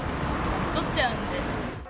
太っちゃうんで。